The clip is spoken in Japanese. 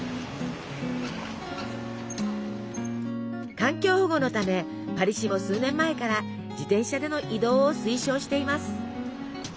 環境保護のためパリ市も数年前から自転車での移動を推奨しています。